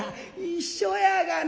一緒やがな。